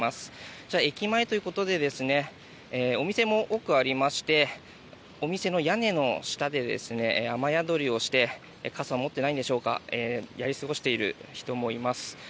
こちら駅前ということでお店も多くありましてお店の屋根の下で雨宿りをして傘を持ってないんでしょうかやり過ごしている人もいます。